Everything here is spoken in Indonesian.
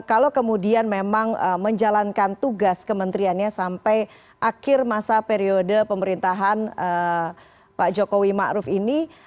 kalau kemudian memang menjalankan tugas kementeriannya sampai akhir masa periode pemerintahan pak jokowi ⁇ maruf ⁇ ini